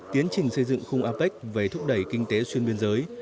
tiến trình xây dựng khung apec về thúc đẩy kinh tế xuyên biên giới